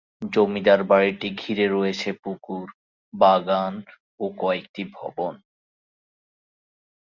জমিদার বাড়িটি ঘিরে রয়েছে পুকুর, বাগান ও কয়েকটি ভবন।